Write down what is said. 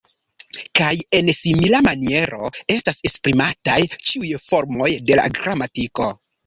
Kaj en simila maniero estas esprimataj ĉiuj formoj de la gramatiko.